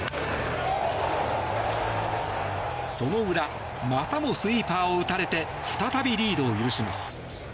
その裏またもスイーパーを打たれて再びリードを許します。